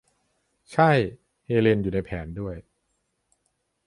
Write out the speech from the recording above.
ใช่ เฮเลนอยู่ในแผนด้วย